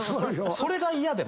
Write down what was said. それが嫌で。